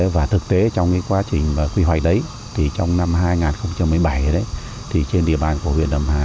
và thực tế trong quá trình quy hoạch đấy trong năm hai nghìn một mươi bảy trên địa bàn của huyện đồng hà